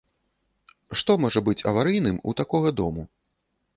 Што можа быць аварыйным у такога дому?